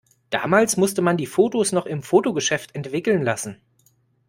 Damals musste man die Fotos noch im Fotogeschäft entwickeln lassen.